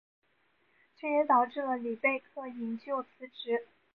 这也导致了里贝克的引咎辞职。